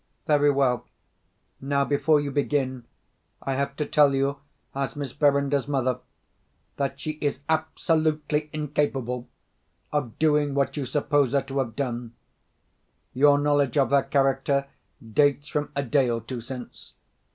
"Very well. Now, before you begin, I have to tell you, as Miss Verinder's mother, that she is absolutely incapable of doing what you suppose her to have done. Your knowledge of her character dates from a day or two since.